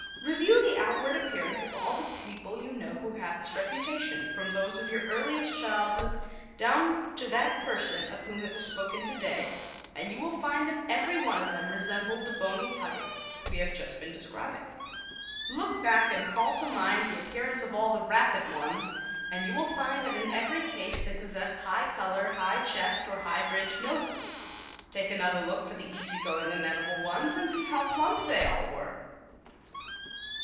Review the outward appearance of all the people you know who have this reputation, from those of your earliest childhood down to that person of whom it was spoken today and you will find that every one of them resembled the bony type we have just been describing. Look back and call to mind the appearance of all the "rapid" ones and you will find that in every case they possessed high color, high chests or high bridged noses. Take another look for the easy going amenable ones, and see how plump they all were!